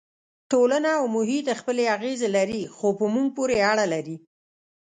ټولنه او محیط خپلې اغېزې لري خو په موږ پورې اړه لري.